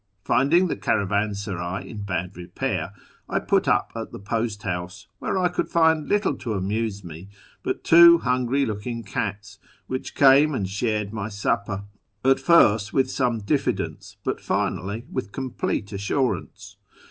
Finding the caravan saray in bad repair, I put up at the post house, where I could find little to amuse me but two hungry looking cats, which came and shared my supper, at first with some diffidence, but finally with complete assurance.